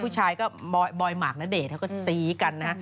ภูเช้าก็บอยหมากณเดนเขาก็สีอี้กันน่ะ